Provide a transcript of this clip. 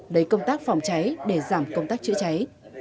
lấy công tác phòng cháy để giảm công tác chữa cháy